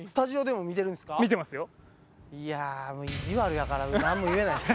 もう意地悪やから何も言えないです